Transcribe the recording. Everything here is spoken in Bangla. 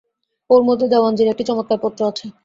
ওর মধ্যে দেওয়ানজীর একটি চমৎকার পত্র আছে।